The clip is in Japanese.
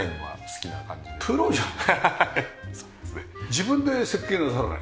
自分で設計はなさらない？